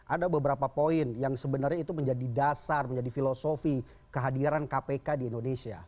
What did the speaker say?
ada beberapa poin yang sebenarnya itu menjadi dasar menjadi filosofi kehadiran kpk di indonesia